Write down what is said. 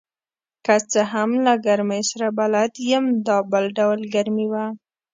که څه هم له ګرمۍ سره بلد یم، دا بل ډول ګرمي وه.